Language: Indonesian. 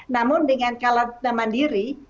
namun dengan kalat dan mandiri